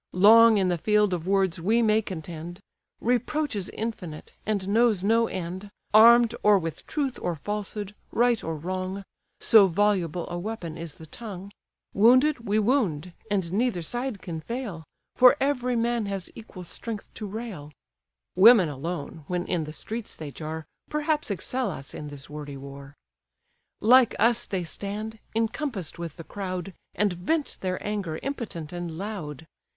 Long in the field of words we may contend, Reproach is infinite, and knows no end, Arm'd or with truth or falsehood, right or wrong; So voluble a weapon is the tongue; Wounded, we wound; and neither side can fail, For every man has equal strength to rail: Women alone, when in the streets they jar, Perhaps excel us in this wordy war; Like us they stand, encompass'd with the crowd, And vent their anger impotent and loud.